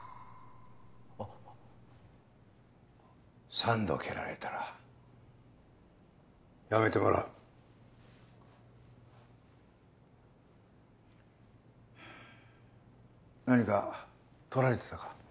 三度蹴られたら辞めてもらう何かとられてたか？